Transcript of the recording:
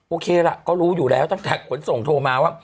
โอเคล่ะก็รู้อยู่แล้วตั้งแต่ขนส่งโทรมาว่า